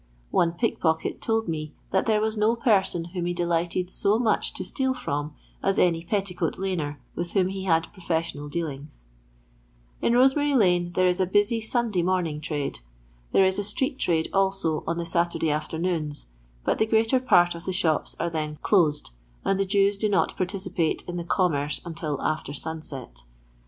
One pickpocket told me that there was no person whom he delighted so much to steal from as any Tetticoat laner with whom he had professional dealings 1 In Rosemary lane there is a busy Sunday morn ing trade; there is a street trade, also, on the Saturday afternoons, but the greater part of the shops are then closed, and the Jews do not parti cipate in the commerce until after sunset.